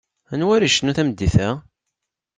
Anwa ara yecnun tameddit-a?